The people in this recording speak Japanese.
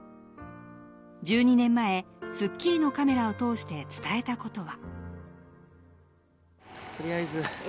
１２年前『スッキリ』のカメラを通して伝えたいことは。